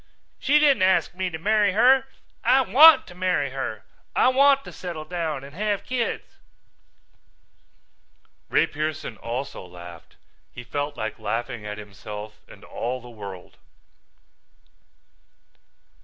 "She didn't ask me to marry her. I want to marry her. I want to settle down and have kids." Ray Pearson also laughed. He felt like laughing at himself and all the world.